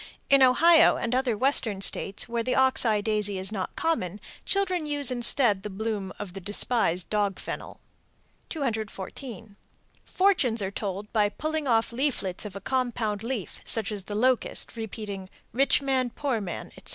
_ In Ohio and other Western States where the ox eye daisy is not common, children use instead the bloom of the despised dog fennel. 214. Fortunes are told by pulling off leaflets of a compound leaf, such as the locust, repeating, "Rich man, poor man," etc.